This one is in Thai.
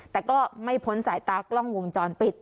แต่ก็ไม่พ้นสายตากล้องวงจรปิด